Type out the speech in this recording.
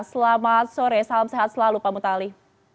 selamat sore salam sehat selalu pak muta ali